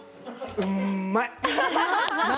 うまい何？